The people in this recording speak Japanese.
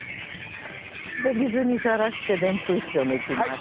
で水にさらしてでんぷん質を抜きます。